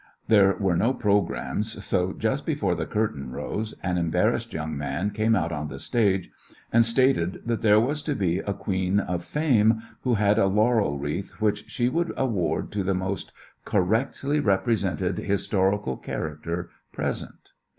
There were no programs, so, just before the curtain rose, an embarrassed young man came out on the stage and stated that there was to be a Queen of Fame who had a laurel wreath which she would award to the most correctly represented historical character present.